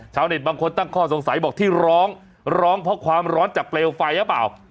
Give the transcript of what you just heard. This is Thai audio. บางคนตั้งข้อสงสัยบอกที่ร้องร้องเพราะความร้อนจากเปลวไฟหรือเปล่า